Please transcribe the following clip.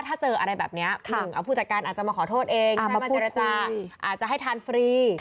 ถ้าเจออะไรแบบนี้หนึ่งผู้จัดการอาจจะมาขอโทษเองเอามาเจรจาอาจจะให้ทานฟรี